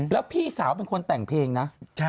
แล้วพี่สาวเป็นคนแต่งเพลงนะ